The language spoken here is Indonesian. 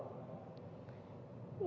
ini kita dapat